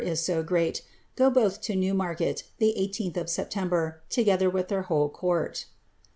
is so irreaV— go boiii to Newmarket, the 18ih of September, together with their whole court."